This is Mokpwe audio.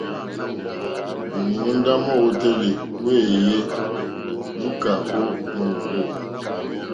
Móǒndá mówǒtélì wéèyé lùúkà ó mòrzô.